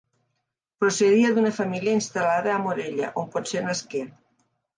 Procedia d'una família instal·lada a Morella, on potser nasqué.